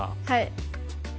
はい。